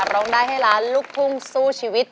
ร้องได้ให้ล้านลูกทุ่งสู้ชีวิต